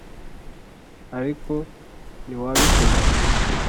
ariko ntiwabikoze.